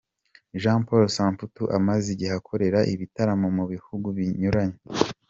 Jean Paul Samputu amaze igihe akorera ibitaramo mu bihugu binyuranye.